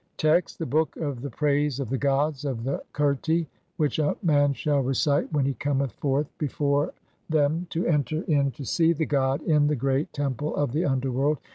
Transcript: Text : (1) The Book of the praise of the gods of the QERTI 1 WHICH A MAN SHALL RECITE WHEN HE COMETH FORTH BEFORE THEM TO ENTER IN TO SEE THE GOD IN THE GREAT TEMPLE OF THE UNDERWORLD.